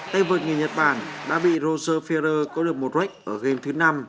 tay vượt người nhật bản đã bị roger ferrer cố được một rách ở game thứ năm